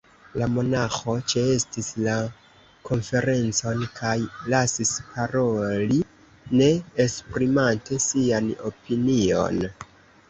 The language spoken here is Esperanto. La monaĥo ĉeestis la konferencon kaj lasis paroli, ne esprimante sian opinion.